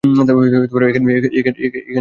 এখানের কেউ তাকে জল দিবি?